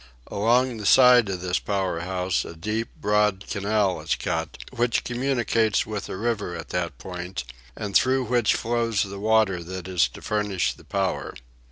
Along the side of this power house a deep broad canal is cut, which communicates with the river at that point, and through which flows the water that is to furnish the power.